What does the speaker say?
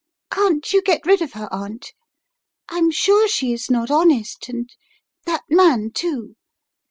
Can't you get rid of her, Aunt? I'm sure she is not honest, and that man, too.